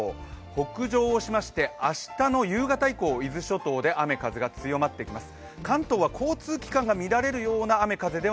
北上をしまして、明日の夕方以降、伊豆諸島で雨風が強まってきます。